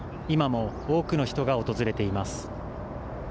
今も多くの人が訪れています。